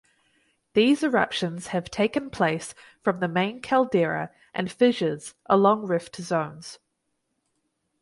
These eruptions have taken place from the main caldera and fissures along rift zones.